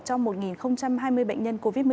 trong một hai mươi bệnh nhân covid một mươi chín